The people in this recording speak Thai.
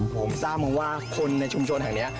ผมทราบมาว่าคนในชุมชนแห่งนี้